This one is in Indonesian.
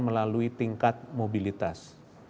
melalui tingkat mobilitas